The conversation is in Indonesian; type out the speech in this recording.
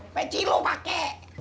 peci lu pake